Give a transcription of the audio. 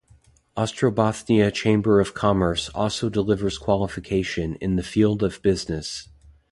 Ostrobothnia Chamber of Commerce also delivers qualification in the field of business.